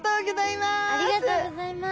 ありがとうございます。